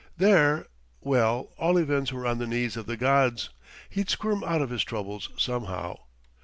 There ... well, all events were on the knees of the gods; he'd squirm out of his troubles, somehow.